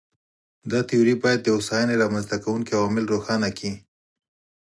دا تیوري باید د هوساینې رامنځته کوونکي عوامل روښانه کړي.